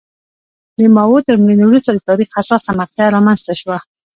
د ماوو تر مړینې وروسته د تاریخ حساسه مقطعه رامنځته شوه.